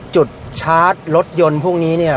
ชาร์จรถยนต์พวกนี้เนี่ย